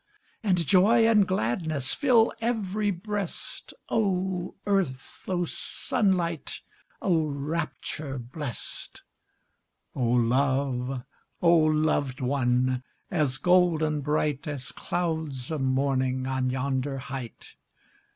And joy and gladness Fill ev'ry breast! Oh earth! oh sunlight! Oh rapture blest! Oh love! oh loved one! As golden bright, As clouds of morning On yonder height!